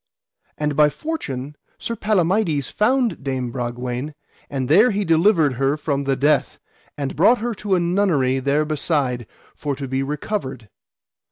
And by fortune, Sir Palamides found Dame Bragwaine, and there he delivered her from the death, and brought her to a nunnery there beside, for to be recovered.